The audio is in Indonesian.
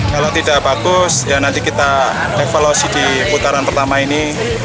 kalau tidak bagus ya nanti kita evaluasi di putaran pertama ini